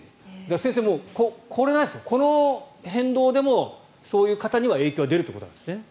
先生、この変動でもそういう方には影響が出るということですね。